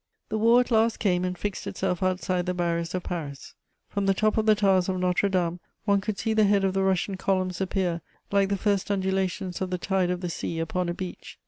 The war at last came and fixed itself outside the barriers of Paris. From the top of the towers of Notre Dame, one could see the head of the Russian columns appear, like the first undulations of the tide of the sea upon a beach.